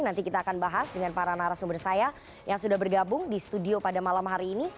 nanti kita akan bahas dengan para narasumber saya yang sudah bergabung di studio pada malam hari ini